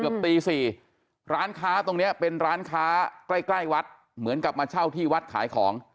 ตี๔ร้านค้าตรงเนี้ยเป็นร้านค้าใกล้ใกล้วัดเหมือนกับมาเช่าที่วัดขายของ